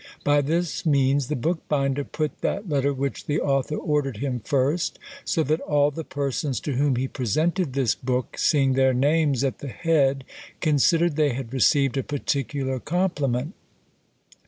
By this means the bookbinder put that letter which the author ordered him first; so that all the persons to whom he presented this book, seeing their names at the head, considered they had received a particular compliment.